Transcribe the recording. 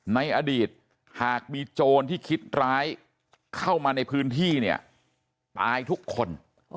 ในอดีตหากมีโจรที่คิดร้ายเข้ามาในพื้นที่เนี่ยตายทุกคน